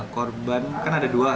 korban kan ada dua